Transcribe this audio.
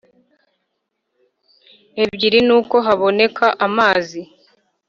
ebyiri Nuko haboneka amazi